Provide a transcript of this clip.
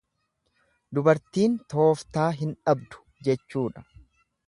Dubartiin tooftaa hin dhabdu jechuudha.